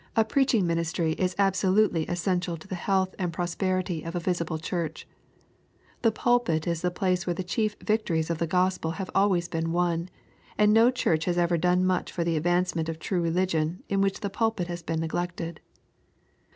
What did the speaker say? A preaching ministry is absolutely essential to the health and pros perity of a visible church. The pulpit is the place where the chief victories of the Gospel have always been won, and no Church has ever done much for the advancement of true religion in which the pulpit has been neglected.